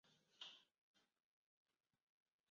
帕科蒂是巴西塞阿拉州的一个市镇。